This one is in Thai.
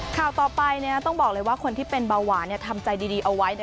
ข่าวต่อไปต้องบอกเลยว่าคนที่เป็นเบาหวานทำใจดีเอาไว้